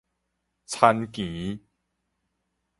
田墘